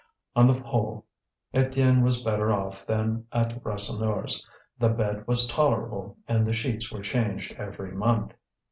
On the whole, Étienne was better off than at Rasseneur's; the bed was tolerable and the sheets were changed every month.